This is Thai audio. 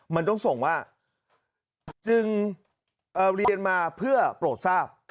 มันต้องส่งว่าจึงเรียนมาเพื่อโปรดทราบ